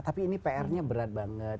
tapi ini prnya berat banget